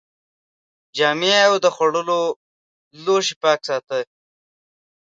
جامې او د خوړو لوښي پاک ساتئ.